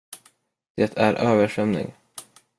Det är översvämning.